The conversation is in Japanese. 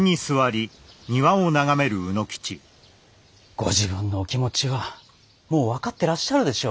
ご自分のお気持ちはもう分かってらっしゃるでしょう。